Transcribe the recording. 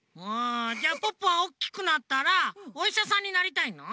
じゃあポッポはおっきくなったらおいしゃさんになりたいの？